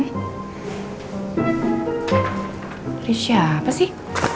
dari siapa sih